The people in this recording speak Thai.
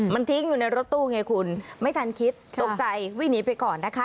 มันทิ้งอยู่ในรถตู้ไงคุณไม่ทันคิดตกใจวิ่งหนีไปก่อนนะคะ